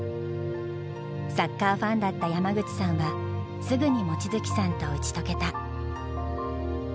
サッカーファンだった山口さんはすぐに望月さんと打ち解けた。